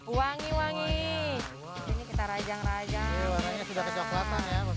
wangi wangi kita rajang rajang warna coklat